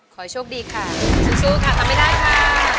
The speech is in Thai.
ขอให้โชคดีค่ะสู้ค่ะทำไม่ได้ค่ะ